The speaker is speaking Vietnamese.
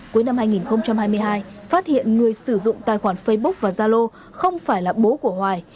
cuối năm hai nghìn hai mươi hai phát hiện người sử dụng tài khoản facebook và zalo không phải là bố của hoài